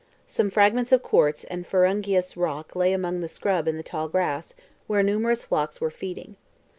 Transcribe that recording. Some fragments of quartz and ferruginous rock lay among the scrub and the tall grass, where numerous flocks were feeding.